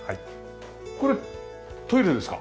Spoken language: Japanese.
これトイレですか？